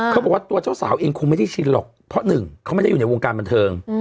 เขาบอกว่าตัวเจ้าสาวเองคงไม่ได้ชินหรอกเพราะหนึ่งเขาไม่ได้อยู่ในวงการบันเทิง